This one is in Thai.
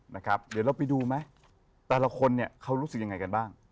เดี๋ยวเราไปดูแต่ละคนเขารู้สึกอย่างไรกันบ้าง